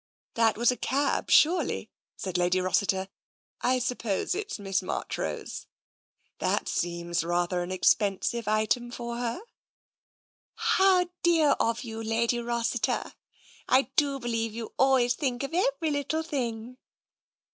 " That was a cab, surely," said Lady Rossiter. " I suppose it's Miss Marchrose. That seems rather an expensive item for her.'' *' How dear of you, Lady Rossiter ! I do believe you always think of every little thing."